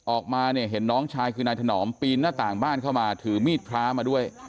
ออกมาเนี่ยเห็นน้องชายคือนายถนอมปีนหน้าต่างบ้านเข้ามาถือมีดพระมาด้วย